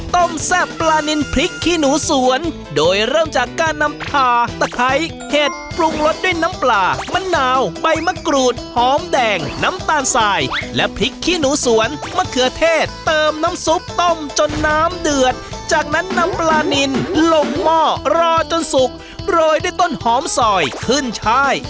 ต้มแซ่บปลานินพริกขี้หนูสวนโดยเริ่มจากการนำขาตะไคร้เห็ดปรุงรสด้วยน้ำปลามะนาวใบมะกรูดหอมแดงน้ำตาลสายและพริกขี้หนูสวนมะเขือเทศเติมน้ำซุปต้มจนน้ำเดือดจากนั้นนำปลานินลงหม้อรอจนสุกโรยด้วยต้นหอมซอยขึ้นชาย